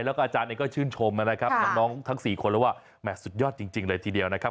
แล้วก็อาจารย์เองก็ชื่นชมนะครับน้องทั้ง๔คนแล้วว่าแห่สุดยอดจริงเลยทีเดียวนะครับ